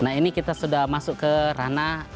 nah ini kita sudah masuk ke ranah